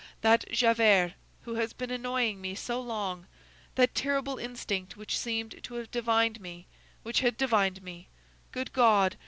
That Javert, who has been annoying me so long; that terrible instinct which seemed to have divined me, which had divined me—good God!